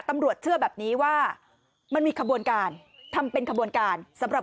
ตำรวจเชื่อแบบนี้ว่ามันมีขบวนการทำเป็นขบวนการสำหรับ